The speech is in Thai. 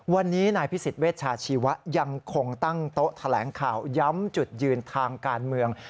วันนี้นายพิสิทธิเวชาชีวะยังคงตั้งโต๊ะแถลงข่าวย้ำจุดยืนทางการเมือง